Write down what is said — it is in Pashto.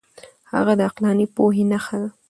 هغه د عقلاني پوهې نښه ده.